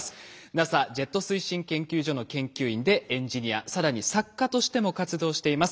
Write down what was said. ＮＡＳＡジェット推進研究所の研究員でエンジニア更に作家としても活動しています。